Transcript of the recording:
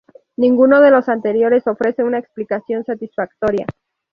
Ninguno de los anteriores ofrece una explicación satisfactoria.